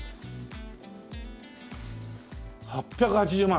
８８０万！